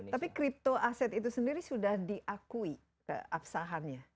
nah tapi kripto aset itu sendiri sudah diakui keabsahannya